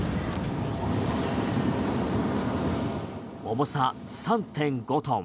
重さ３．５トン